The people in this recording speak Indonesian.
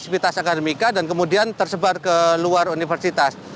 fasilitas akademika dan kemudian tersebar ke luar universitas